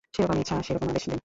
যে রকম ইচ্ছা সে রকম আদেশ দেন।